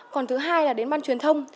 còn thứ hai là đến ban truyền thông